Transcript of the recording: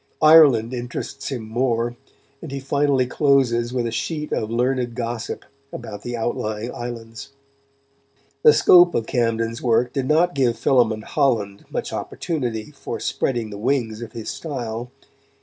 Ireland interests him more, and he finally closes with a sheet of learned gossip about the outlying islands. The scope of Camden's work did not give Philémon Holland much opportunity for spreading the wings of his style.